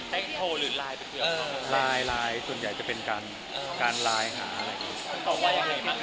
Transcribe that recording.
หรือลายไปเกือบลายลายส่วนใหญ่จะเป็นการการลายหาอะไรอย่างเงี้ย